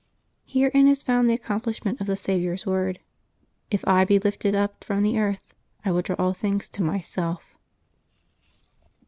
— Herein is found the accomplishment of the Saviour's word :" If I be lifted up from the earth, I will draw all things to Myself."